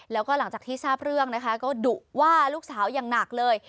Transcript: แล้วก็หลังจากที่ทราบเรื่องนะคะก็ดุว่าลูกสาวอย่างหนักเลย